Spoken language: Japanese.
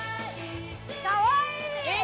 かわいいー！